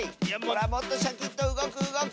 もっとシャキッとうごくうごく！